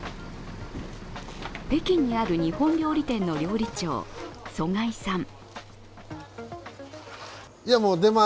北京にある日本料理店の料理長、曽我井さん。